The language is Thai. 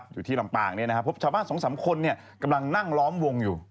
อยู่ที่ลำปางพบชาวบ้าน๒๓คนกำลังนั่งล้อมวงอยู่